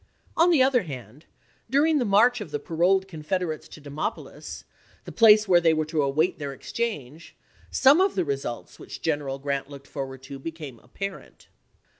On the other hand, during the march of the paroled Confederates to Demopolis, the place where they were to await their exchange, some of the results which General Grant looked forward to became apparent.